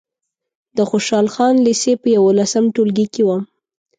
د خوشحال خان لېسې په یولسم ټولګي کې وم.